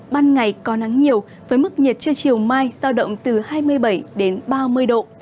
ban ngày có nắng nhiều với mức nhiệt chưa chiều mai giao động từ hai mươi bảy đến ba mươi độ